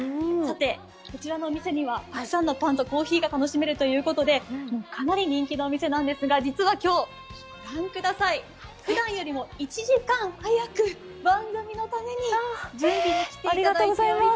こちらのお店には、たくさんのパンとコーヒーを楽しめるということでかなり人気のお店なんですが実は今日、ふだんよりも１時間早く番組のために準備に来ていただいております。